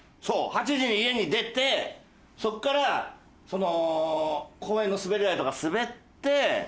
８時に家出てそこからその公園の滑り台とか滑って。